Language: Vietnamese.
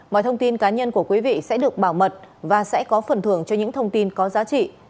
mọi thông tin cá nhân của quý vị sẽ được bảo mật và sẽ có phần thưởng cho những thông tin có giá trị